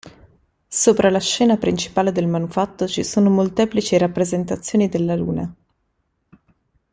Sopra la scena principale del manufatto ci sono molteplici rappresentazioni della luna.